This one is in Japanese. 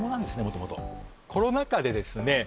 元々コロナ禍でですね